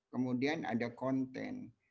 kemudian ada konten